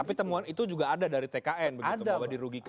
tapi temuan itu juga ada dari tkn begitu